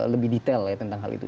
lebih detail ya tentang hal itu